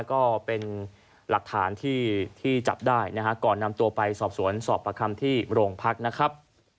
ก็เป็นหลักฐานที่จับได้นะฮะก่อนนำตัวไปสอบสวนสอบประคำที่โรงพักนะครับ